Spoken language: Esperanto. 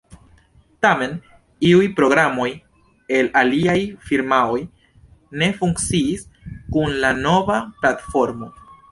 Tamen, iuj programoj el aliaj firmaoj ne funkciis kun la nova platformo.